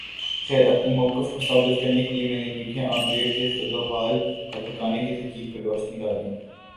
خیر اپنے موقف کو ثابت کرنے کے لئے میں نے میٹھے آملیٹ کے خدوخال اور پکانے کی ترکیب پر روشنی ڈالی